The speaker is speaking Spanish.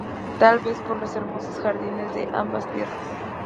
Tal vez por los hermosos jardines de ambas tierras.